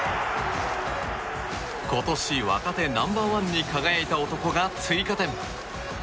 今年の若手ナンバーワンに輝いた男が追加点。